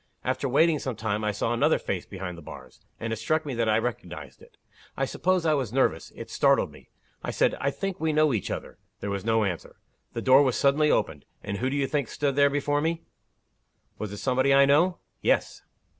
After waiting some time, I saw another face behind the bars and it struck me that I recognized it. I suppose I was nervous. It startled me. I said, 'I think we know each other.' There was no answer. The door was suddenly opened and who do you think stood before me?" "Was it somebody I know?" "Yes."